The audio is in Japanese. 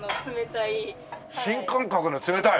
新感覚の冷たい？